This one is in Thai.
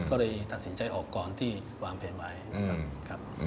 ก็เลยตัดสินใจออกก่อนที่วางแผนไว้นะครับ